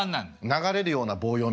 「流れるような棒読み」。